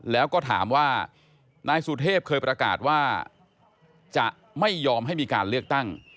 แล้วก็ถามว่านายสุเทพเคยประกาศว่าจะไม่ยอมให้มีการเลือกตั้ง